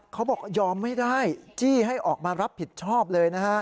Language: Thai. เขาบอกยอมไม่ได้จี้ให้ออกมารับผิดชอบเลยนะฮะ